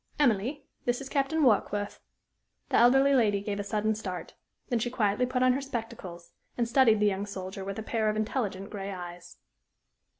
Emily, this is Captain Warkworth." The elderly lady gave a sudden start. Then she quietly put on her spectacles and studied the young soldier with a pair of intelligent gray eyes.